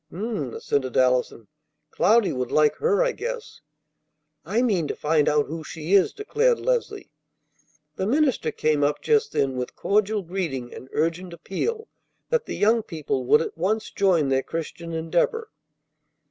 "H'm!" assented Allison. "Cloudy would like her, I guess." "I mean to find out who she is," declared Leslie. The minister came up just then with cordial greeting and urgent appeal that the young people would at once join their Christian Endeavor.